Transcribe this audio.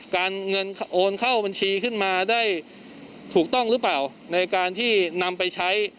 เงินโอนเข้าบัญชีขึ้นมาได้ถูกต้องหรือเปล่าในการที่นำไปใช้